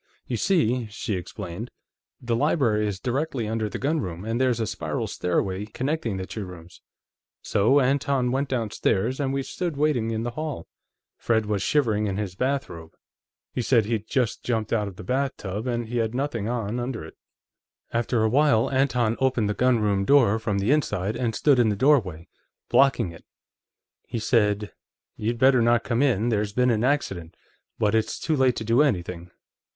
You see," she explained, "the library is directly under the gunroom, and there's a spiral stairway connecting the two rooms. So Anton went downstairs and we stood waiting in the hall. Fred was shivering in his bathrobe; he said he'd just jumped out of the bathtub, and he had nothing on under it. After a while, Anton opened the gunroom door from the inside, and stood in the doorway, blocking it. He said: 'You'd better not come in. There's been an accident, but it's too late to do anything.